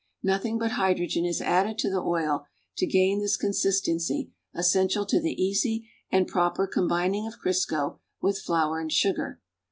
Nothing but hydrogen is added to the oil to gain this consistency essential to the easy and proper combining of Crisco with flour and sugar.